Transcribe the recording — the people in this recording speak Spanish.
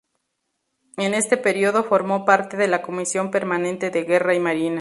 En este período, formó parte de la Comisión permanente de Guerra y Marina.